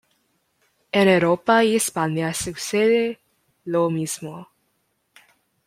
En Europa y España sucede lo mismo.